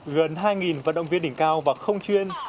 gần hai vận động viên đỉnh cao và không chuyên